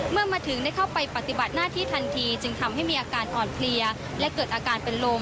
เมื่อมาถึงได้เข้าไปปฏิบัติหน้าที่ทันทีจึงทำให้มีอาการอ่อนเพลียและเกิดอาการเป็นลม